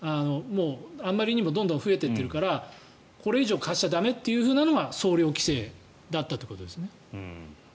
あまりにもどんどん増えていってるからこれ以上貸しちゃ駄目っていうのが総量規制だったっていうことですね。